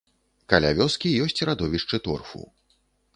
Каля вёскі ёсць радовішчы торфу.